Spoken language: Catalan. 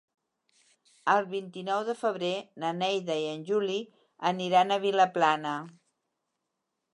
El vint-i-nou de febrer na Neida i en Juli aniran a Vilaplana.